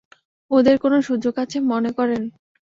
ওদের কোন সুযোগ আছে মনে করেন?